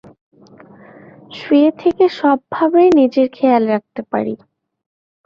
শুয়ে থেকে সব ভাবেই নিজের খেয়াল রাখতে পারি।